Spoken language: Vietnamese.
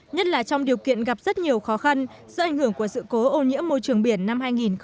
nhất là trong điều kiện gặp rất nhiều khó khăn do ảnh hưởng của sự cố ô nhiễm môi trường biển năm hai nghìn một mươi chín